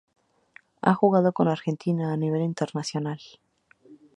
Ha jugado con Argentina a nivel internacional.